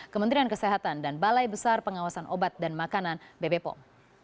kementerian kesehatan dan balai besar pengawasan obat dan makanan bb pom